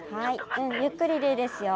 うんゆっくりでいいですよ。